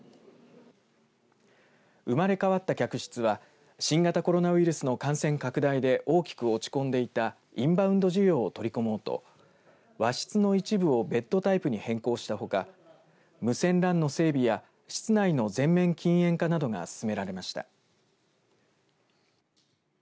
生まれ変わった客室は新型コロナウイルスの感染拡大で大きく落ち込んでいたインバウンド需要を取り込もうと和室の一部をベッドタイプに変更したほか無線ＬＡＮの整備や室内の全面禁煙化などが進められました。